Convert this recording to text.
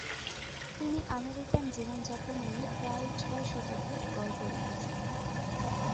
তিনি আমেরিকান জীবনযাপন নিয়ে প্রায় ছয় শতাধিক গল্প লিখেছেন।